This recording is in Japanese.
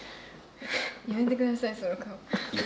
やめてください、その顔。